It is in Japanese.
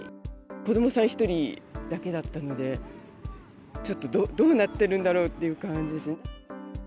子どもさん１人だけだったので、ちょっとどうなってるんだろうっていう感じですね。